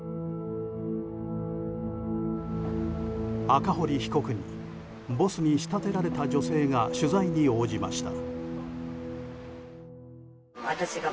赤堀被告にボスに仕立てられた女性が取材に応じました。